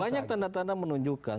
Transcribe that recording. banyak tanda tanda menunjukkan